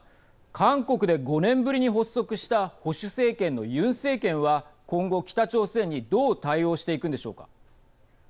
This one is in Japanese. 韓国で５年ぶりに発足した保守政権のユン政権は今後、北朝鮮にどう対応していくんでしょうか。